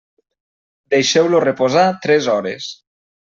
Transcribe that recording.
Deixeu-lo reposar tres hores.